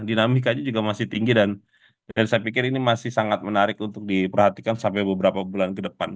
dinamikanya juga masih tinggi dan saya pikir ini masih sangat menarik untuk diperhatikan sampai beberapa bulan ke depan